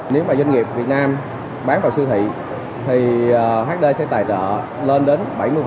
nếu mà doanh nghiệp việt nam bán vào siêu thị thì hd sẽ tài trợ lên đến bảy mươi